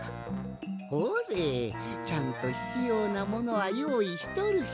ほれちゃんとひつようなものはよういしとるし。